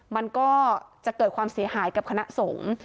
มันก็จะเกิดความเสียหายกับคณะสงฆ์